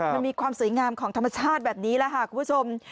มันมีความสวยงามของธรรมชาติแบบนี้แหละค่ะคุณผู้ชม